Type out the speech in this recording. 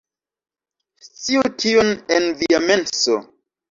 Sciu tion en via menso